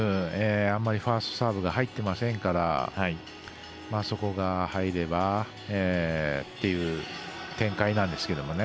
あんまりファーストサーブが入っていませんからそこが入ればという展開なんですけれどもね。